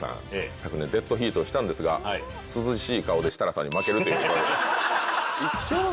昨年デッドヒートをしたんですが涼しい顔で設楽さんに負けるという。